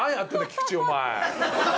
菊池お前。